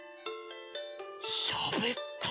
しゃべった。